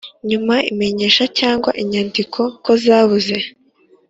nyuma imenyesha cyangwa inyandiko kozabuze